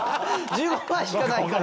１５枚しかないから。